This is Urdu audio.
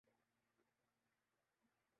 ایک مٹی کے طوفان نے تباہی مچا دی